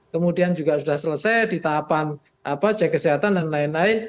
kemudian juga sudah selesai di tahapan cek kesehatan dan lain lain